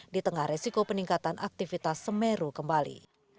di tengah resiko peningkatan aktivitas semeru kembali